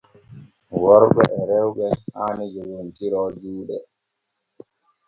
Worɓe e rewɓe haani joggontiro juuɗe.